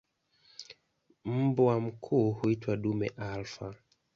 Mbwa mkuu huitwa "dume alfa".